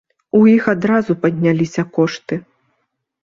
У іх адразу падняліся кошты.